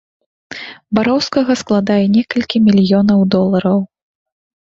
Бароўскага складае некалькі мільёнаў долараў.